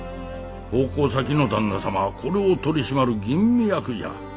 奉公先の旦那様はこれを取り締まる吟味役じゃ。